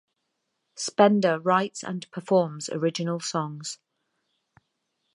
Spender writes and performs original songs.